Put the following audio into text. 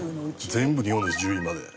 全部日本でしょ１０位まで。